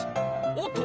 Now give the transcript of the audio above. おっと！